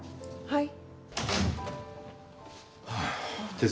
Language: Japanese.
はい。